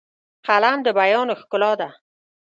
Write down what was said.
قلم د بیان ښکلا ده